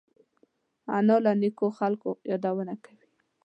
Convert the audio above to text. انا له نیکو خلقو یادونه کوي